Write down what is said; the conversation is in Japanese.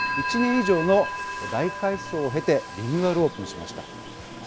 １年以上の大改装を経て、リニューアルオープンしました。